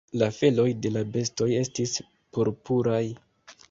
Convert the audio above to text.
La feloj de la bestoj estis purpuraj.